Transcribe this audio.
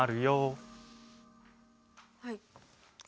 はい。